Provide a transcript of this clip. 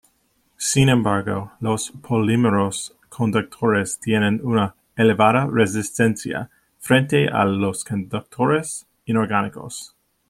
Sin embargo, los polímeros conductores tienen una elevada resistencia frente a los conductores inorgánicos.